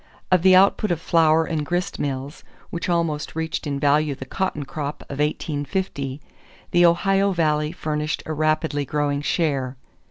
Of the output of flour and grist mills, which almost reached in value the cotton crop of 1850, the Ohio Valley furnished a rapidly growing share.